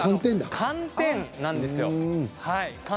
寒天なんです。